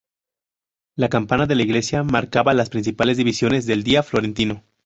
La campana de la iglesia marcaba las principales divisiones del día florentino.